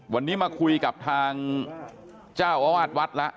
วันนี้มาคุยกับทางทางมาวาสวัดละ